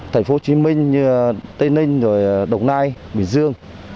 thành phố hồ chí minh tây ninh đồng nai bình dương